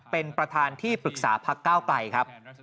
เป็นประธานที่ปรึกษาพักก้าวไกลครับ